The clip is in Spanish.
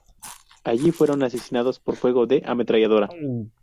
Allí fueron asesinados por fuego de ametralladora.